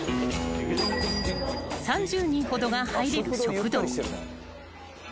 ［３０人ほどが入れる］